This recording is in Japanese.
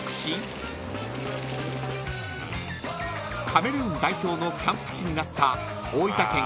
［カメルーン代表のキャンプ地になった大分県